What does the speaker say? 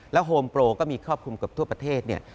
โฮมโปรก็มีครอบคลุมเกือบทั่วประเทศเนี่ย